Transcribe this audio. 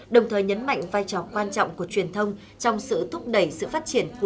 đồng thời nhấn mạnh vai trò quan trọng của truyền thông trong sự thúc đẩy sự phát triển của